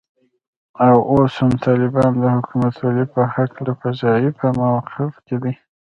او اوس هم طالبان د حکومتولې په هکله په ضعیفه موقف کې دي